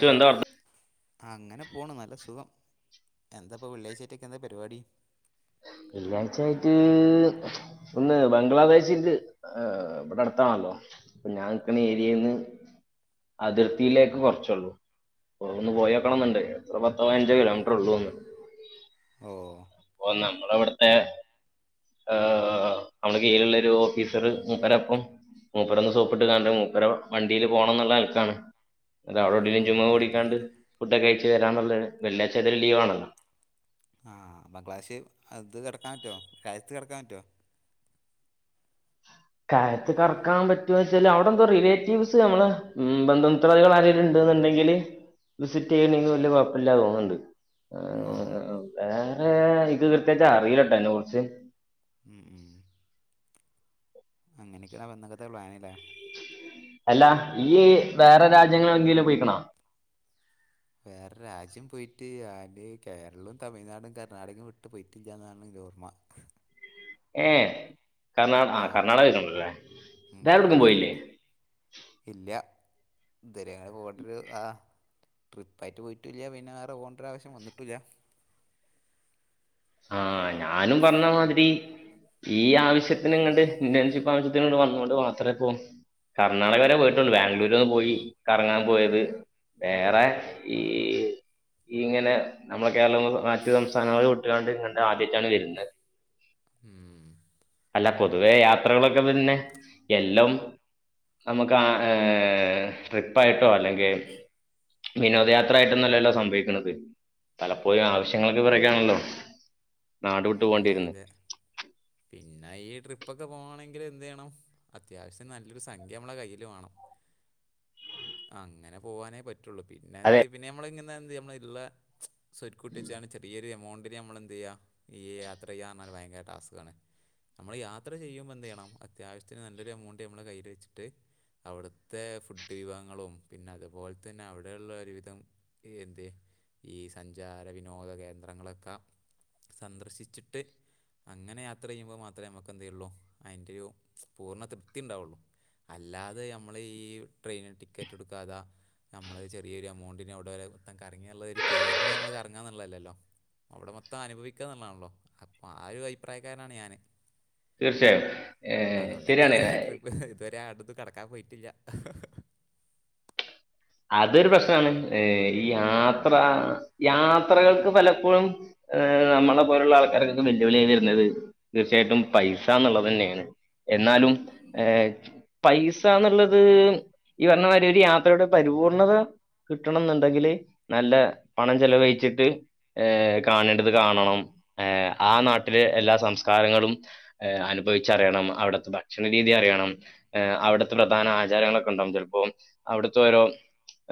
ശിവ, എന്താ വർത്ത- ആഹ് അങ്ങനെ പോണ് നല്ല സുഖം എന്താപ്പോ വെള്ളിയാഴ്ചറ്റക്കെ എന്താ പരിപാടി. വെള്ളിയാഴ്ചായിട്ട്. ഒന്ന് ബംഗ്ലാദേശിക്ക് ഇഭടെ അടുത്താണല്ലോ. ഞാൻ നിക്കണ ഏരിയന്ന് അതിർത്തിയിലേക്ക് കൊറ്ച്ചള്ളൂ അവിടുന്ന് പോയേക്കണം എന്നുണ്ട് പത്തോ പതിനഞ്ചോ കിലോമീറ്റർ ഉള്ളൂന്ന് ഓ ഓ നമ്മളവിട്ത്തെ നമ്മള് കീഴയിലുള്ളരു ഓഫീസറ് മൂപ്പരപ്പം മൂപ്പരന്ന് സോപ്പിട്ട് കാണ്ട് മൂപ്പര വണ്ടില് പോണം ന്ന്ള്ള ന്നല്ക്കാണ് അവിടെ ഓ എവിടെലും ജുമ നല്ല കൂടിക്കാണ്ട് കാര്യം ഫുഡൊക്കെ കഴിച്ചു വരാനണല്ലോ വെള്ളിയാഴ്ച ന്താലും ലീവാണല്ലോ ആഹ് അപ്പം ക്ലാഷ് അത് കിടക്കാൻ പറ്റോ രഴത്ത് കടക്കാൻ പറ്റോ കാരത്ത് കര്ക്കാൻ പറ്റു വെച്ചാല് അവിടെ എന്തോ റിലേറ്റീവ്സ് നമ്മളെ ബന്ധം പാദികൾ ആരെങ്കില ഉണ്ടെന്നുണ്ടെങ്കില് വിസിറ്റ് ചെയ്യണെങ്കിൽ വലിയ കുഴപ്പമില്ല തോന്ന്ണ്ട് ഓ വേറെ ഇക് കൃത്യയിട്ട് അറിയിലട്ടോ അയിനെ കുറിച്ച് ഉം ഉം അങ്ങനെയൊക്കെ വന്തക്കത്തെ പ്ലാനില്ലേ അല്ല ഈ വേറെ രാജ്യങ്ങളെങ്കിലും പോയിക്ക്ണ വേറെ രാജ്യം പോയിട്ട് അന്റെ കേരളവും തമിഴ്നാടും കർണ്ണാടകവും വിട്ട് പോയി വിട്ടില്ലന്നാണ് ഇന്റെ ഓർമ്മ ഏ കർണാ ആഹ് ആ കർണാടകക്കണ്ടല്ലേ ഉം വേറെ എവിടക്കും കർണാടക പോയില്ലേ പോയിക്കണ് ഇല്ല ഇതരെ പോകട്ടരു ആഹ് ട്രിപ്പായിട്ട് പോയിട്ടില്ല പിന്നെ വേറെ പോകേണ്ട ഒരു ആവശം വന്ന്ട്ടില്ല ആഹ് ഞാനും പറ്ഞ്ഞ മാതിരി ഈ ആവശ്യത്തിന് ഇങ്ങണ്ട് ഇന്റൺഷിപ്പ് ആവശ്യത്തിന്ണ്ട് വന്നോണ്ട് മാത്രേ പോ കർണാടക വരെ പോയിട്ടുണ്ട് ബാംഗ്ലൂരെന്ന് പോയി കറങ്ങാപോയത് വേറെ ഈ ഈങ്ങനെ നമ്മള കേരള മറ്റു സംസ്ഥാനങ്ങൾ വി ആണ്ട് ഇങ്ങണ്ട് ആദ്യറ്റാണ് വര്ന്നത് ഉം അല്ല പൊതുവേ യാത്രകളൊക്കെ പിന്നെ എല്ലം നമുക്ക് ആ ട്രിപ്പായിട്ടോ അല്ലെങ്കി വിനോദയാത്ര ആയിട്ടൊന്നല്ലല്ലോ സംഭവിക്കുന്നത് പലപ്പോഴും ആവശ്യങ്ങൾക്ക് പിറക്കേണല്ലോ അതെ അതെ പിന്നെ ഈ ട്രിപ്പൊക്കെ പോവാണെങ്കിൽ എന്ത് യ്യണം അത്യാവിശ്യം നല്ലൊരു സംഖ്യ ഞമ്മള കയ്യ്ൽ വാണം അങ്ങനെ പോവാനെ പ റ്റുള്ളു പിന്നെ അതെ എന്ത് പിന്നെ ഞമ്മള ഇങ്ങനെ എന്ത് ഞമ്മള്ള ഇള്ള സ്വരുകൂട്ടി വെച്ചാണ് ചെറിയൊരു എമൗണ്ടിന് ഞമ്മൾ എന്തിയ്യാ ഈ യാത്രയ്യാറഞ്ഞാൽ ഭയങ്കര ടാസ്കാണ് നമ്മൾ യാത്ര ചെയ്യുമ്പോ എന്തിയണ്ണം അത്യാവശ്യത്തിന് നല്ലൊരു എമൗണ്ട് നമ്മള കയ്യിൽ വച്ചിട്ട് അവ്‌ട്ത്തെ ഫുഡ് വിഭവങ്ങളും പിന്നെ അതുപോല്തന്നെ അവിടെള്ള ഒരുവിധം ഏന്തേ ഈ സഞ്ചാര വിനോദ കേന്ദ്രങ്ങളൊക്ക സന്ദർശിച്ചിട്ട് അങ്ങനെ യാത്രയ്യുമ്പോ മാത്ര നമ്മുക്ക് എത്തിയൊള്ളു അതിന്റെ ഒരു പൂർണ്ണ തൃപ്തി ഇണ്ടാവൊള്ളു അല്ലാതെ ഞമ്മള് ഈ ട്രെയ്ന് ടിക്കറ്റ് ഇടുക്കാതാ നമ്മളത് ചെറിയ ഒരു എമൗണ്ടിന് അവിട വരെ മൊത്തം കറങ്ങീന്ള്ള ഒരു പേരിന് ഞമ്മള് കറങ്ങാന്ന്ള്ളല്ലല്ലോ അവടെ മൊത്തം അനുഭവിക്കാന്ള്ള ആണല്ലോ അപ്പൊ ആ ഒരു അഭിപ്രായക്കാരനാണ് ഞാന് തീർച്ചയായും ഏഹ് ശരിയാണ് ഇത്‌വരെ അടുത്ത് കടക്കാ പോയ്റ്റില്ല അതൊരു പ്രശ്നാണ് ഏഹ് ഈ യാത്ര യാത്രകൾക്ക് പലപ്പോഴും ഏഹ് നമ്മള പോലുള്ള ആൾക്കാർക്കൊക്കെ വെല്ലുവിളിയായി വരുന്നത് തീർച്ചയായിട്ടും പൈസ ന്ന്ള്ളതന്നേൺ എന്നാലും ഏഹ് പൈസന്ന്ള്ളത് ഈ പറഞ്ഞമാരി ഒരു യാത്രയുടെ പരിപൂർണത കിട്ടണംന്ന്ണ്ടെങ്കില് നല്ല പണം ചെലവഴിച്ചിട്ട് ഏഹ് കാണേണ്ടത് കാണണം ഏഹ് ആ നാട്ടിലെ എല്ലാ സംസ്കാരങ്ങളും ഏഹ് അനുഭവിച്ചറിയണം അവിട്ത്തെ ഭക്ഷണ രീതി അറിയണം ഏഹ് അവ്ട്ത്ത പ്രധാന ആചാരങ്ങളൊക്കെ ഇണ്ടാവും ചെല് പ്പോം ത്തോരോം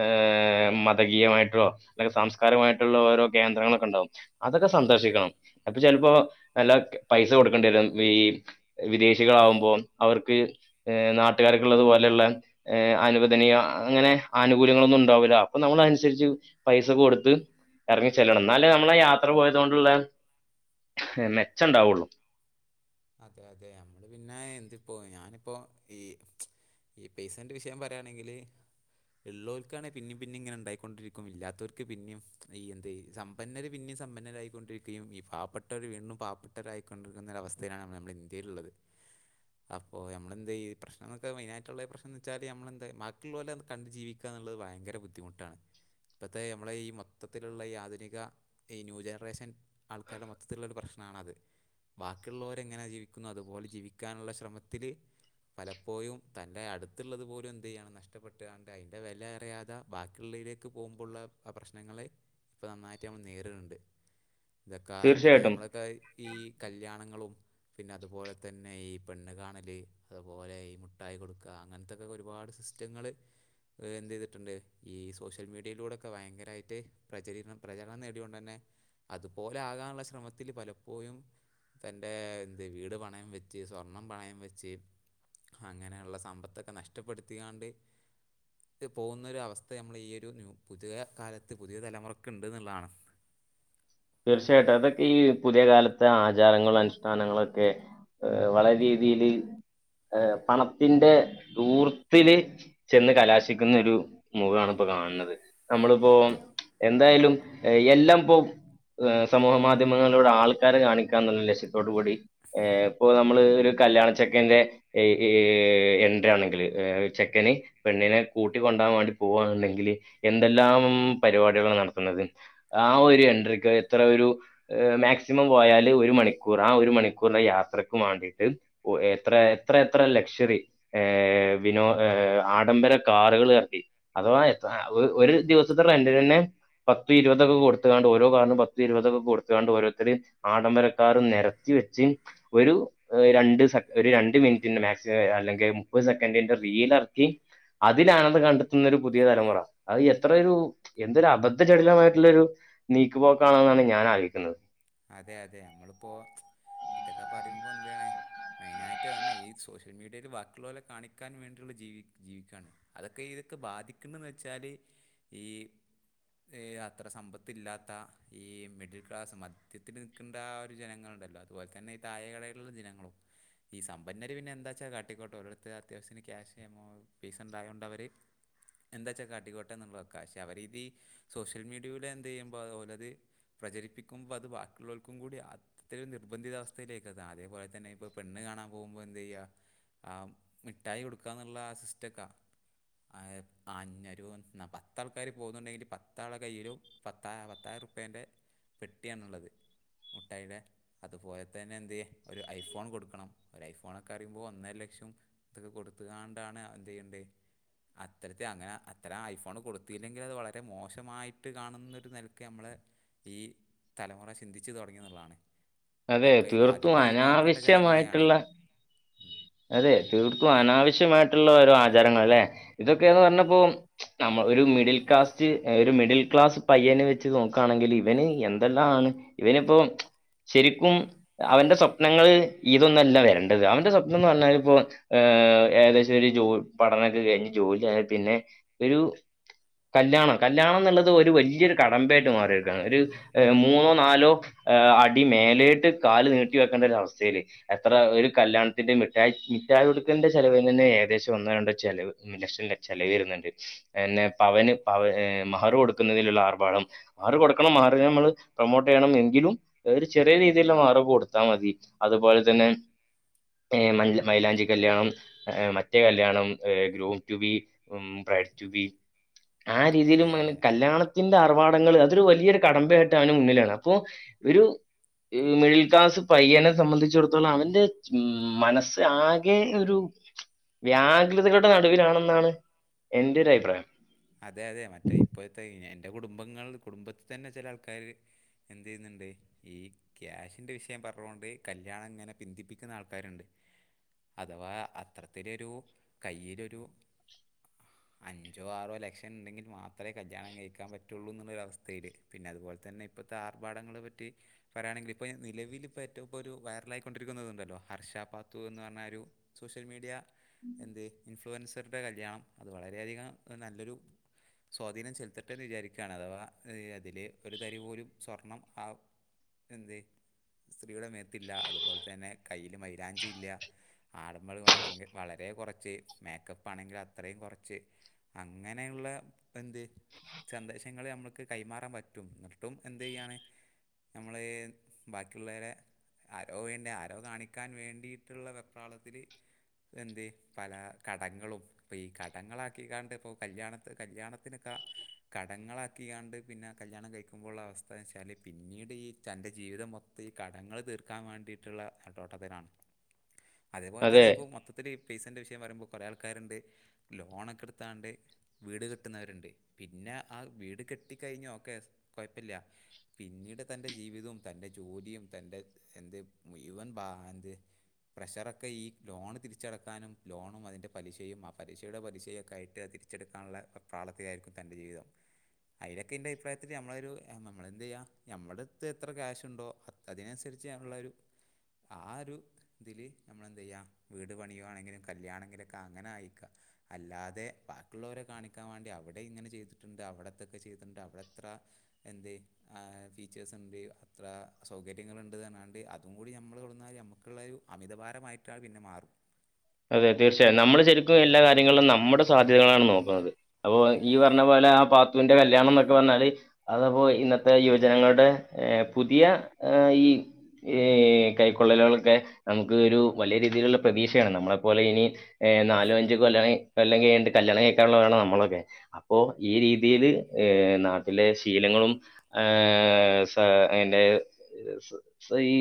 ഏഹ് മതകീയമായിട്ടോ ല്ലെങ്കി സാംസ്കാരമായിട്ടുള്ള ഓരോ കേന്ദ്രങ്ങളൊക്കെ ണ്ടാവും അതൊക്കെ സന്ദർശിക്കണം അപ്പൊ ചെൽപ്പോ നല്ല പൈസ കൊടുക്കണ്ടി വരും ഈ വിദേശികളാവുമ്പോം അവർക്ക് ഏഹ് നാട്ട്കാർക്ക്ള്ളത് പോലെള്ള ഏഹ് അനുവദനീയ അങ്ങനെ ആനുകൂല്യങ്ങളൊന്നും ണ്ടാവൂല അപ്പൊ നമ്മളൻസരിച്ച് പൈസ ക്കൊട്ത്ത് എറങ്ങി ചെല്ലണം ന്നാലേ നമ്മളെ യാത്ര പോയതോണ്ട്ള്ള മെച്ചണ്ടാവൊള്ളൂ അതെ അതെ നമ്മള് പിന്നെ എന്തിപ്പോ ഞാനിപ്പോ ഈ ഈ പെയ്സന്റെ വിശയം പറയാണെങ്കിൽ ഇള്ളോൽക്കാണെ പിന്നിം പിന്നിം ങ്ങനെ ണ്ടായിക്കൊണ്ടിരിക്കും ഇല്ലാത്തോര്ക്ക് പിന്നും ഈ എന്ത്‌ സം സമ്പന്നര് പിന്നിം സമ്പന്നരായിക്കൊണ്ടിരിക്കും ഈ പാവപ്പെട്ടോൽ വീണ്ടും പാവപ്പെട്ടരായിക്കൊണ്ടിരിക്കുന്ന ഒരവസ് അതിനാണ് നമ്മളെ നമ്മളെ ഇന്ത്യേല്ള്ളത് അപ്പോ നമ്മളെന്തീ പ്രശ്നങ്ങളൊക്കെ മെയ്നായ്റ്റ്ള്ള പ്രശ്നംന്നച്ചാൽ നമ്മളന്ത ബാക്കിള്ളോലേ കണ്ട് ജീവി ക്കന്ന്ള്ളത് വയങ്കര ബുദ്ധിമുട്ടാണ് ഇപ്പത്തെ ഞമ്മളെ ഈ മൊത്തത്തില്ള്ള ഈ ആധുനിക ഈ ന്യൂ ജനറേഷൻ ആൾക്കാര്ടെ മൊത്തത്തില്ള്ളൊരു പ്രശ്ണാണത് ക്ക്ള്ളോര എങ്ങനെ ജീവിക്കുന്നു അത്പോലെ ജീവിക്കാന്ള്ള ശ്രമത്തില് പലപ്പോയും തൻ്റെ അട്ത്ത്ള്ളത് പോലും എന്തെയ്യാണ് നഷ്ടപ്പെട്ട്കാണ്ട് അയിൻ്റെ വെല അറിയാതെ ബാക്കിള്ളയ്ലേ ക്ക് പോവുമ്പള്ള ആ പ്രശ്നങ്ങള് ഇപ്പ നന്നായിട്ട് നമ്മൾ നേരിട്ണ്ട് ഇതൊക്കെ ആ ഇപ്പത്തെ തീർച്ചയായിട്ടും നമ്മളൊക്കെ ഈ കല്യാണങ്ങളും പിന്നെ അതുപോലെ തന്നെ ഈ പെണ്ണ് കാണല് അതുപോലെ ഈ മുട്ടായി കൊടുക്ക അങ്ങൻത്തൊക്കെ ഒരുപാട് സിസ്റ്റങ്ങള് എന്തെയ്ത്ട്ട്ണ്ട് ഈ സോഷ്യൽ മീഡിയിലൂടെക്കെ ഭയങ്കരായിട്ട് പ്രചിരണം പ്രചരണം നേട്യോണ്ടന്നെ അതുപോലെ ആകാന്ള്ള ശ്രമത്തിൽ പലപ്പോയും തന്റെ എന്ത് വീട് പണയം വെച്ച് സ്വർണം പണയം വെച്ച് ഹങ്ങനെള്ള സമ്പത്തൊക്കെ നഷ്ടപ്പെടുത്തിങ്ങാണ്ട് പോകുന്നൊരവസ്ഥ നമ്മളെ ഈ ഒരു ന്യൂ പുതിയ കാലത്ത് പുതിയ തലമുറക്ക്ണ്ട്ന്ന്ള്ളതാണ് തീർച്ചയായിട്ടും അതൊക്കെ ഈ പുതിയ കാലത്തെ ആചാരങ്ങളും അനുഷ്ഠാനങ്ങളൊക്കെ ഏഹ് വളരെ രീതിൽ ഏഹ് പണത്തിന്റെ ദൂർത്തില് ചെന്ന് കലാശിക്കുന്നൊരു മുഖാണ് ഇപ്പോ കാണ് ണത് നമ്മള്പ്പോം എന്തായാലും എല്ലംപ്പോ ഏഹ് സമൂഹ മാധ്യമങ്ങളിലൂടെ ആൾക്കാരെ കാണിക്കാന്ന്ള്ള ലക്ഷ്യത്തോടു കൂടി ഏഹ് ഇപ്പോ നമ്മള് ഒരു കല്യാണച്ചെക്കന്റെ ഏഹ് ഏ എൻട്രി ആണെങ്കിൽ ഒര് ചെക്കന് പെണ്ണിനെ കൂട്ടിക്കൊണ്ടാവാൻ വാണ്ടി പോവാണ്ന്ന്ണ്ടെങ്കില് എന്തെല്ലാം പരിവാടികളാണ് നട്ത്ത്ന്നത് ആഹ് ഒരു എൻട്രിക്ക് എത്ര ഒരു മാക്സിമം പോയാല് ഒരു മണിക്കൂർ ആ ഒരു മണിക്കൂർന്റെ യാത്രക്കും വാണ്ടീട്ട് ഒ എത്രെ എത്ര എത്ര ലക്ഷറി ഏഹ് വിനോ ഏഹ് ആഡംബര കാറ്കള് എറക്കി അഥവാ എത്ര ഒ ഒരു ദിവസത്തെ റെന്റിനെന്നെ പത്തു ഇരുവതൊക്കെ കൊടുത്ത്ങ്ങാണ്ട് ഓരോ കാറ്നും പത് തും ഇരുപതൊക്കെ കൊടുത്ത്കാണ്ട് ഓരോരുത്തര് ആഡംബര ക്കാറ് നിരത്തി വെച്ച് ഒരു രണ്ട് സ ഒരു രണ്ട് മിനിറ്റിന്റെ മാക്സിമം അല്ലെങ്കി മുപ്പത് സെക്കന്റിന്റെ റീൽ എർക്കി അതിലാനന്ദം കണ്ടെത്ത്ന്ന ഒരു പുതിയ തലമുറ അത് എത്രൊരു എന്തൊരു അബദ്ധ ചട്ലമായിട്ട്ള്ളൊരു നീക്കുപോക്കാണെന്നാണ് ഞാൻ ആലോയ്ക്കുന്നത് അതെ അതെ നമ്മള്പ്പോ ഇതൊക്കെ പറിമ്പോ എന്ത്നാണ് മെയിനായിട്ട് അതന്നെ ഈ സോഷ്യൽ മീഡിയേല് ബാക്കിള്ളോലെ കാണിക്കാൻ വേണ്ടിയുള്ള ജീവി ജീവിക്കാണ് അതൊക്കെ ഇതൊക്കെ ബാധിക്ക്ണ്ന്ന് വെച്ചാല് ഈ ഏഹ് അത്ര സമ്പത്തില്ലാത്ത ഈ മിഡിൽ ക്ലാസ് മ ധ്യത്തിൽ നിക്ക്ണ്ട ആ ഒരു ജനങ്ങള്ണ്ടല്ലോ അതുപോൽതന്നെ ഈ താഴെ കെടേൽള്ള ജനങ്ങളും ഈ സമ്പന്നര് പിന്നെ എന്താച്ചാ കാട്ടിക്കോട്ടെ ഓരെട്ത്ത് അത്യാവശ്യത്തിന് ക്യാഷ് എമോ പൈസ ണ്ടായോണ്ട് അവര് എന്താച്ചാ കാട്ടികോട്ടെന്ന്ള്ള വെക്ക പശെ അവര് ഇതീ സോഷ്യൽ മീഡിയൂടെ എന്തെയ്യുമ്പൊ ഓലത് പ്രചരിപ്പിക്കുമ്പോ അത് ബാ ക്കിള്ളോൽക്കും കൂടി അത്രയും നിർബന്ധിത അവസ്ഥയിലേക്ക് എത്താം അതേപോലെ തന്നെ ഇപ്പോ പെണ്ണ് കാണാൻ പോകുമ്പോ എന്തയ്യാ ആഹ് മിഠായി കൊടുക്കാന്നുള്ള ആ സിസ്റ്റക്കാ ആഹ് അന്നെരൂൻ ന്നാ പത്താൾക്കാര് പോകുന്നുണ്ടെങ്കില് പത്താളെ കയ്യിലും പത്താ പത്തായിരുർപ്പിയേൻ്റെ പെട്ടിയാണുള്ളത് മുട്ടായിടെ അതുപോലെ തന്നെ എന്തേ ഒരു ഐഫോൺ കൊടുക്കണം ഒരു ഐഫോണൊക്കെ അറിയുമ്പോ ഒന്നര ലക്ഷം ഇതൊക്കെ കൊടുത്ത്കാണ്ടാണ് എന്തയ്യണ്ട്യെ അത്തരത്തി അങ്ങനെ അത്തരം ഐഫോൺ കൊടുത്തില്ലെങ്കിൽ അത് വളരെ മോശമായിട്ട് കാണുന്നൊരു നെലക്ക് നമ്മളെ ഈ തലമുറ ചിന്തിച്ചു തുടങ്ങി എന്നുള്ളതാണ് അതെ ഇതൊക്കെ ഈ തീർത്തും ബാധിക്ക ഈ പാവപ്പെട്ട ജനങ്ങളെയാണ് അനാവശ്യമായിട്ടുള്ള ഉം അതെ തീർത്തും അനാവശ്യമായിട്ടുള്ള ഒരു ആചാരങ്ങൾ ല്ലെ ഇതൊക്കെന്ന് പറഞ്ഞപ്പോ നമ്മള് ഒരു മിഡിൽ ക്ലാസ്റ്റ് ഒരു മിഡിൽ ക്ലാസ് പയ്യനെ വെച്ച് നോക്കാണെങ്കില് ഇവന് എന്തെല്ലാണ് ഇവനിപ്പോ ശരിക്കും അവന്റെ സ്വപ്നങ്ങള് ഇതൊന്നല്ല വേണ്ടത് അവൻ ൻ്റെ സ്വപ്നം എന്ന് പറഞ്ഞാല് പ്പോ ഏഹ് ഏകദേശം ഒരു ജോ പഠനൊക്കെ കഴിഞ്ഞ് ജോലി ആയ പിന്നെ ഒരു കല്യാണം കല്യാണം എന്നുള്ളത് ഒരു വല്ലിയൊരു കടമ്പ ആയിട്ട് മാറിയെക്കാണ് ഒരു ഏഹ് മൂന്നോ നാലോ ഏഹ് അടി മേലേട്ട് കാല് നീട്ടി വെക്കണ്ട ഒരു അവസ്ഥയില് എത്ര ഒരു കല്യാ പിന്നെ മിട്ടായി മിഠായി കൊടുക്കലിന്റെ ചെലവ് തന്നെ ഏകദേശം ഒന്നോ രണ്ടോ ചിലവ് ലക്ഷം ചെലവ് വരുന്നുണ്ട് എന്നെ പവന് പവ ഏഹ് മഹറു കൊടുക്കുന്നതിലുള്ള ആർഭാടം മഹറ് കൊടുക്കണം മഹറ് നമ്മള് പ്രൊമോട്ടയ്യണം എങ്കിലും ഒരു ചെറിയ രീതിയിലുള്ള മഹറ് കൊടുത്താ മതി അതുപോലെ തന്നെ ഏഹ് മൽ മൈലാഞ്ചി കല്യാണം ഏഹ് മറ്റേ കല്യാണം ഏഹ് ഗ്രൂം ട്ടു ബി ഉം ബ്രൈഡ് ട്ടു ബി ആ രീതിയിലും അതെ അങ്ങെ അതെ കല്യാണ ത്തിന്റെ അർവാടങ്ങള് അതൊരു വലിയൊരു കടമ്പ ആയിട്ടാന് മുന്നിലാണ് അപ്പോ ഒരു ഈ മിഡിൽ ക്ലാസ് പയ്യനെ സംബന്ധിച്ചിടത്തോളം അവന്റെ ഉം മനസ്സ് ആകെ ഒരു വ്യാകുലതകളുടെ നടുവിലാണെന്നാണ് എന്റെ ഒരു അഭിപ്രായം അതെ അതെ മറ്റേ ഇപ്പത്തെ എന്റെ കുടുംബങ്ങൾ കുടുംബത്തി തന്നെ ചെല ആൾക്കാര് എന്തയ്യുന്നുണ്ട് ഈ ക്യാഷിന്റെ വിഷയം പറഞ്ഞുകൊണ്ട് കല്യാണം ഇങ്ങനെ പിന്തിപ്പിക്കുന്ന ആൾക്കാരുണ്ട് അഥവാ അത്രത്തിലൊരു കയ്യിലൊരു അഞ്ചോ ആറോ ലക്ഷം ഇണ്ടെങ്കിൽ മാത്രേ കല്യാണം കഴിക്കാ പറ്റുള്ളൂ എന്നുള്ളൊരു അവസ്ഥയിലേക്ക് പിന്നെ അതുപോലെ തന്നെ ഇപ്പത്തെ ആർഭാടങ്ങളെ പറ്റി പറാണെങ്കി ഇപ്പൊ ഈ നിലവില് ഇപ്പ ഏറ്റവും ഇപ്പ ഒരു വൈറലായിക്കൊണ്ടിരിക്കുന്നത്ണ്ടല്ലോ ഹർഷാപാത്തു എന്ന് പറഞ്ഞ ഒരു സോഷ്യൽ മീഡിയ എന്ത് ഇൻഫ്ലുവൻസറുടെ കല്യാണം അത് വളരെയധികം നല്ലൊരു സ്വാധീനം ചെലുത്തട്ടെന്ന് വിചാരിക്കാണ് അഥവാ ഈ അതില് ഒരു തരി പോലും സ്വർണം ആഹ് എന്ത് സ്ത്രീയുടെ മേത്തില്ല അതുപോലെ തന്നെ കയ്യില് മൈലാഞ്ചി ഇല്ല്യാ ആടുമ്പള് വഴങ്ങ് വളരെ കുറച്ച് മേക്കപ്പ് ആണെങ്കി അത്രേ കുറച്ച് ഇങ്ങനെയുള്ള എന്ത് സന്ദേശങ്ങള് നമ്മക്ക് കൈമാറാ പറ്റും ന്നിട്ടും എന്ത്യ്യാണ് നമ്മള് ബാക്കിള്ളോരെ ആരോ വേണ്ട ആരോ കാണിക്കാൻ വേണ്ടിയിട്ടുള്ള വെപ്രാളത്തില് എന്ത് പല കടങ്ങളും ഇപ്പീ കടങ്ങളാക്കി കാണ്ട്പ്പോ കല്യാണത്ത് കല്യാണത്തിനക്ക കടങ്ങളാക്കിയാണ്ട് പിന്നെ കല്യാണം കഴിക്കുമ്പോള്ള അവസ്ഥ വച്ചാല് പിന്നീട് ഈ തന്റെ ജീവിതം മൊ ഇപ്പി കടങ്ങള് തീർക്കാ വാണ്ടിട്ട്ള്ള നെട്ടോട്ടത്തിലാണ് അതേപോലെ അത് തന്നെ ഇപ്പോ മൊത്ത ത്തിരി പൈസൻ്റെ വിഷയം വരുമ്പോ കൊറെ ആൾക്കാരുണ്ട് ലോണൊക്കെ എടുത്താണ്ട് വീട് കെട്ടുന്നവരുണ്ട് പിന്ന ആഹ് വീട് കെട്ടി കഴിഞ്ഞ ഓക്കെ കൊഴപ്പില്യ പിന്നീട് തന്റെ ജീവിതവും തന്റെ ജോലിയും തന്റെ എന്ത് മുയുവൻ ബാ എന്ത് പ്രഷറൊക്കെ ഈ ലോണ് തിരിച്ചടക്കാനും ലോണും അതിന്റെ പലിശയും ആഹ് പലിശയുടെ പലിശയൊക്കായിട്ട് അതിരി ച്ചെടുക്കാനുള്ള വെപ്രാളത്തിലായിരിക്കും തന്റെ ജീവിതം അതിലക്കെ എൻ്റെ അഭിപ്രായത്തിൽ ഞമ്മളൊരു ഏഹ് ഞമ്മള് എന്ത് ചെയ്യ ഞമ്മുടത്ത് എത്ര ക്യാശുണ്ടോ അത് അതിനനുസരിച്ച് ചെയ്യാനുള്ളൊരു ആഹ് ഒരു ഇതില് ഞമ്മളെന്ത്‌ ചെയ്യ വീട് പണിയുവാണെങ്കിലും കല്യാണെങ്കിലുംക്ക അങ്ങനെ ആയ്ക്ക അല്ലാതെ ബാക് റ്റുള്ളോരെ കാണിക്കാൻ വേണ്ടി അവിടെ ഇങ്ങനെ ചെയ്തിട്ടുണ്ട് അവിടെ ഇതൊക്കെ ചെയ്തിട്ടുണ്ട് അവിടെ എത്ര എന്തേ ആഹ് ഫീച്ചേഴ്സ് ഉണ്ട് അത്ര സൗകര്യങ്ങളുണ്ട്ന്നറഞ്ഞാണ്ട് അതും കൂടി ഞമ്മള് തുടർന്നാല് ഞമ്മ്ക്ക്ള്ളൊരു അമിതഭാരമായിട്ടാ പിന്നെ മാറും അതെ തീർച്ചയായും നമ്മള് ശരിക്കും എല്ലാ കാര്യങ്ങളിലും നമ്മുടെ സാധ്യതകളാണ് നോക്കുന്നത് അപ്പൊ ഈ പറഞ്ഞ പോലെ ആ പാത്തുന്റെ കല്യാണംന്നൊക്കെ പറഞ്ഞാല് അതപ്പോ ഇന്നത്തെ യുവജനങ്ങളുടെ ഏഹ് പുതിയ ഏഹ് ഈ ഈ കൈക്കൊള്ളലാളൊക്കെ നമുക്ക് ഒരു വലിയ രീതിയിലുള്ള പ്രതീക്ഷയാണ് നമ്മളെ പോലെ ഇനി ഏഹ് നാലോ അഞ്ചോ കൊല്ലങ്ങ് കൊല്ലം കഴിഞ്ഞിട്ട് കല്യാണം കഴിക്കാനുള്ളവരാണ് നമ്മളൊക്കെ അപ്പോ ഈ രീതിയില് ഏഹ് നാട്ടിലെ ശീലങ്ങളും ആഹ് സ അയിന്റെ സ് സ് ഈ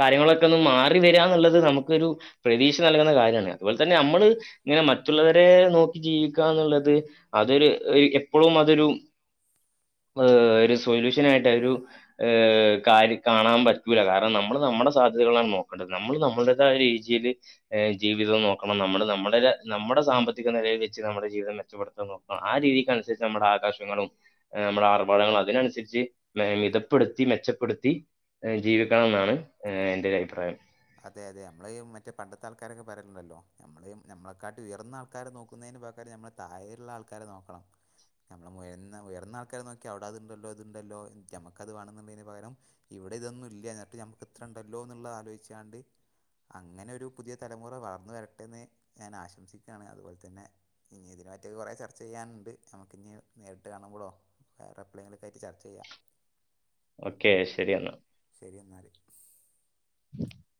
കാര്യങ്ങളൊക്കെ ഒന്ന് മാറി വരാന്നുള്ളത് നമുക്കൊരു പ്രതീക്ഷ നൽകുന്ന കാര്യാണ് അതുപോലെ തന്നെ നമ്മള് ഇങ്ങനെ മറ്റുള്ളവരെ നോക്കി ജീവിക്കാന്നുള്ളത് അതൊരു എഹ് എപ്പളും അതൊരു ഏഹ് ഒരു സൊല്യൂഷൻ ആയിട്ട് ഒരു ഏഹ് കാര്യം കാണാൻ പറ്റൂല കാരണം നമ്മള് നമ്മടെ സാധ്യതകളാണ് നോക്കേണ്ടത് നമ്മള് നമ്മളുടേതായ രീതിയില് ഏഹ് ജീവിതം നോക്കണം നമ്മള് നമ്മുടെ ഒര് നമ്മുടെ സാമ്പത്തിക നിലയിൽ വെച്ച് നമ്മുടെ ജീവിതം മെച്ചപ്പെടുത്താൻ നോ ആഹ് രീതിക്ക് അനുസരിച്ച് നമ്മുടെ ആകാശങ്ങളും നമ്മടെ ആർഭാടങ്ങളും അതിനനുസരിച്ച് മെ മിതപ്പെടുത്തി മെച്ചപ്പെടുത്തി ജീവിക്കണംന്നാണ് എൻ്റെ ഒരഭിപ്രായം അതെ അതെ ഞമ്മള് ഈ മറ്റേ പണ്ടത്തെ ആൾക്കാരൊക്കെ പറയ്ല്ണ്ടല്ലോ ഞമ്മള് ഞമ്മളെക്കാട്ടി ഉയർന്ന ആൾക്കാരെ നോക്കുന്നേന് പകരം നമ്മള് തായേള്ള ആൾക്കാരെ നോക്കണം ഞമ്മള് ഉയർന്ന ഉയർന്ന ആൾക്കാരെ നോക്കി അവിടെ അതുണ്ടല്ലോ ഇതുണ്ടല്ലോ ഞമ്മക്കത് വേണെന്നുണ്ടെന് പകരം ഇവിടെ ഇതൊന്നും ഇല്യ ഇന്നിട്ടും ഞമ്മക്ക് ഇത്ര ഇണ്ടല്ലോന്നുള്ളത് ആലോചിച്ചാണ്ട് അങ്ങനെ ഒരു പുതിയ തലമുറ വളർന്നു വരട്ടെന്ന് ഞാൻ ആശംസിക്കാണ് അതുപോലെ തന്നെ ഇഞ്ഞി ഇതിനെ പറ്റി കുറേ ചർച്ച ചെയ്യാനുണ്ട് നമുക്ക് ഇനി നേരിട്ട് കാണുമ്പോളോ വേറെ എപ്ലെങ്കിലൊക്കായിട്ട് ചർച്ച ചെയ്യാം ഓക്കെ ശരിയെന്നാ ശരി എന്നാല് [unintelligible]